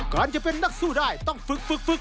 จะเป็นนักสู้ได้ต้องฝึกฝึก